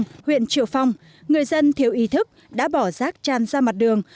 trong đường huyện triệu phong người dân thiếu ý thức đã bỏ rác tràn ra mặt đường